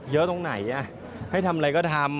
ตรงไหนให้ทำอะไรก็ทำ